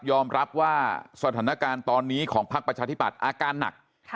อมรับว่าสถานการณ์ตอนนี้ของพักประชาธิบัติอาการหนัก